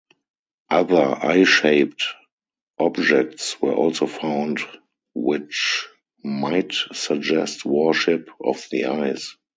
Other eye-shaped objects were also found which might suggest worship of the eyes.